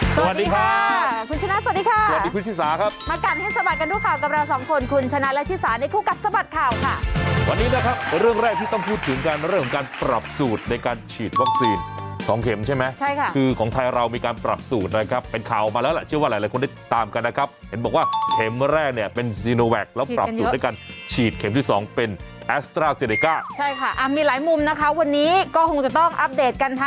จันทร์จันทร์จันทร์จันทร์จันทร์จันทร์จันทร์จันทร์จันทร์จันทร์จันทร์จันทร์จันทร์จันทร์จันทร์จันทร์จันทร์จันทร์จันทร์จันทร์จันทร์จันทร์จันทร์จันทร์จันทร์จันทร์จันทร์จันทร์จันทร์จันทร์จันทร์จันทร์